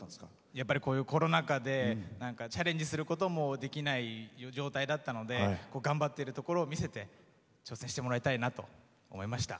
やっぱり、こういうコロナ禍でチャレンジすることもできない状態だったので頑張ってるところを見せて挑戦してもらいたいなと思いました。